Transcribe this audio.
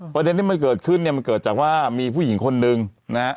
ประเด็นที่มันเกิดขึ้นเนี่ยมันเกิดจากว่ามีผู้หญิงคนนึงนะฮะ